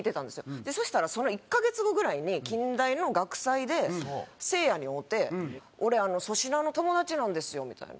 そしたらその１カ月後ぐらいに近大の学祭でせいやに会うて「俺粗品の友達なんですよ」みたいな。